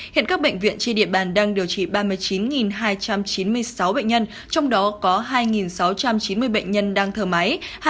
hiện các bệnh viện trên địa bàn đang điều trị ba mươi chín hai trăm chín mươi sáu bệnh nhân trong đó có hai sáu trăm chín mươi bệnh nhân đang thở máy